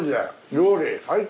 料理最高！